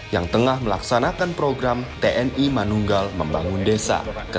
yang tengah melaksanakan program tni manunggal membangun desa ke satu ratus sembilan belas